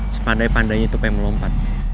sepandai pandainya itu pengen melompat